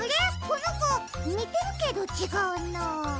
このこにてるけどちがうな。